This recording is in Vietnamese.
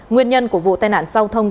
nguyên nhân của vụ tai nạn giao thông